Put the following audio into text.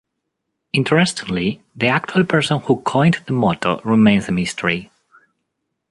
Interestingly, the actual person who coined the motto remains a mystery.